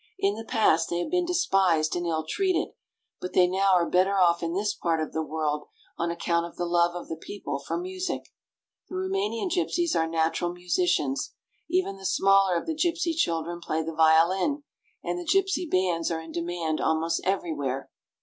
In the past they have been despised and ill treated, but they now are better off in this part of the world on account of the love of the people for music. The Roumanian gypsies are natural musicians. Even the smaller of the gypsy children play the violin, and the gypsy bands are in demand almost everywhere.